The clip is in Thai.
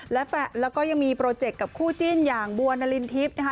แล้วก็ยังมีโปรเจคกับคู่จิ้นอย่างบัวนารินทิพย์นะคะ